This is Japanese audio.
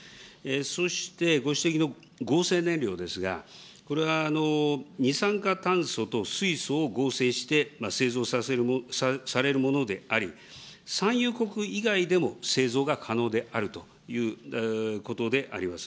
そして、ご指摘の合成燃料ですが、これは二酸化炭素と水素を合成して、製造されるものであり、産油国以外でも製造が可能であるということであります。